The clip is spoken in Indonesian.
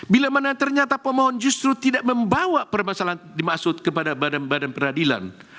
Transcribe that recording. bila mana ternyata pemohon justru tidak membawa permasalahan dimaksud kepada badan badan peradilan